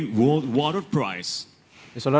tentang harga daya solar